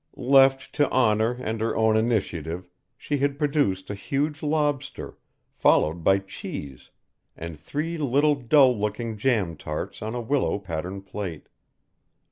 Left to honour and her own initiative she had produced a huge lobster, followed by cheese, and three little dull looking jam tarts on a willow pattern plate.